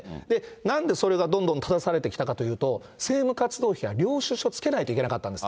なんでそれがどんどんただされてきたかっていうと、政務活動費は領収書つけないといけなかったんです。